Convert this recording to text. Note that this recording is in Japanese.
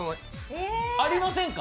ありませんか？